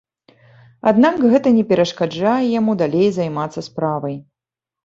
Аднак гэта не перашкаджае яму далей займацца справай.